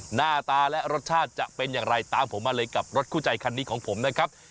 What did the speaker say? หน้าตาและรสชาติจะเป็นอย่างไรตามผมมาเลยกับรถคู่ใจคันนี้ของผมนะครับ